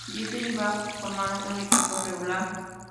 Dieter y Da Mack formaron un equipo regular.